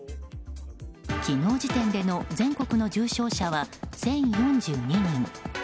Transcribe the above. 昨日時点での全国の重症者は１０４２人。